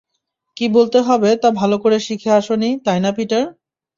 কী বলতে হবে, তা ভালো করে শিখে আসোনি, তাই না পিটার?